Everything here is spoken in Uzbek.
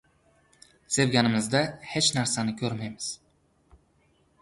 Sevganimizda hech narsani ko‘rmaymiz.